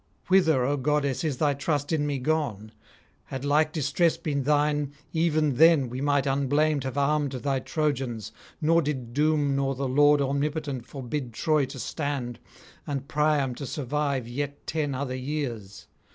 Whither, O goddess, is thy trust in me gone? Had like distress been thine, [397 431]even then we might unblamed have armed thy Trojans, nor did doom nor the Lord omnipotent forbid Troy to stand, and Priam to survive yet ten other years.